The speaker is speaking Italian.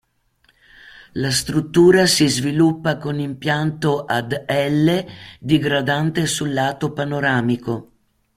La struttura si sviluppa con impianto ad "L" digradante sul lato panoramico.